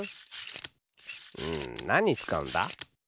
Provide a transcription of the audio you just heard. うんなににつかうんだ？